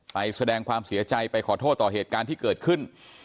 แสดงความเสียใจไปขอโทษต่อเหตุการณ์ที่เกิดขึ้น